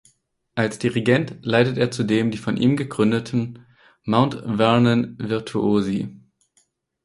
Als Dirigent leitet er zudem die von ihm gegründeten "Mount Vernon Virtuosi".